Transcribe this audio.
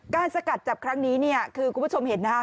สกัดจับครั้งนี้เนี่ยคือคุณผู้ชมเห็นนะคะ